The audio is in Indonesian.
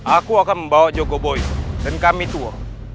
aku akan membawa jokowi dan kami tua